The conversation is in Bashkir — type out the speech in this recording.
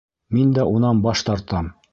Мин дә унан баш тартам.